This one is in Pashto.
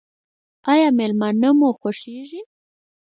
ایا میلمانه مو خوښیږي؟